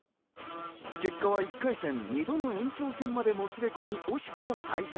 結果は１回戦、２度の延長戦まで、もつれ込み、惜しくも敗退。